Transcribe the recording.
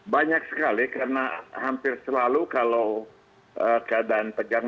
banyak sekali karena hampir selalu kalau keadaan tegang